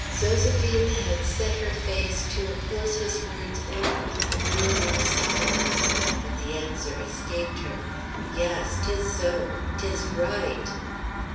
Zoséphine had set her face to oppose his words only with unyielding silence, but the answer escaped her: "Yass, 'tis so. 'Tis ri ght!"